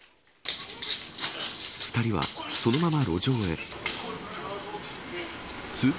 ２人はそのまま路上へ。